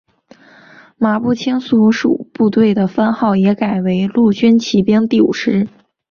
马步青所属部队的番号也改为陆军骑兵第五师。